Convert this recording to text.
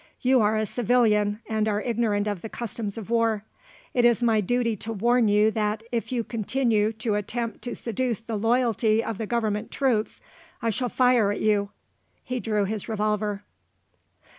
You are a civilian and are ignorant of the customs of war. It is my duty to warn you that, if you continue to attempt to seduce the loyalty of the Government troops, I shall fire at you." He drew his revolver.